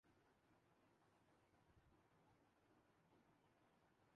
پھر ہم انہیں پرانی گاڑیوں کے طور پر دوسرے ممالک برآ